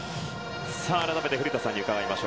改めて古田さんに伺います。